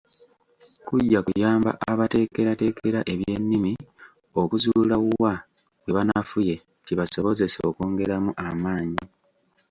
Kujja kuyamba abateekerateekera eby'ennimi okuzuula wa we banafuye kibasobozese okwongeramu amaanyi.